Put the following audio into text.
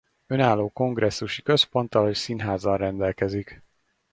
Önálló kongresszusi központtal és színházzal rendelkezik.